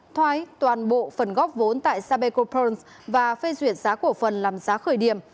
thoái toàn bộ phần góp vốn tại sapeco perul và phê duyệt giá cổ phần làm giá khởi điểm